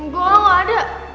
gue gak ada